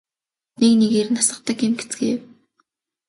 Нэг нэгээр нь асгадаг юм гэцгээв.